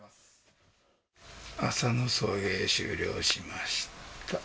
朝の送迎終了しました。